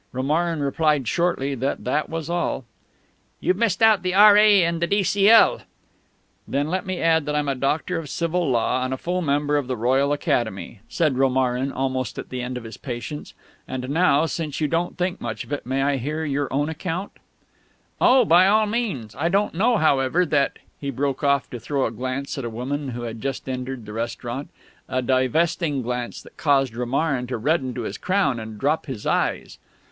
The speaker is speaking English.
Romarin replied shortly that that was all. "You've missed out the R.A., and the D.C.L." "Then let me add that I'm a Doctor of Civil Law and a full Member of the Royal Academy," said Romarin, almost at the end of his patience. "And now, since you don't think much of it, may I hear your own account?" "Oh, by all means. I don't know, however, that " he broke off to throw a glance at a woman who had just entered the restaurant a divesting glance that caused Romarin to redden to his crown and drop his eyes.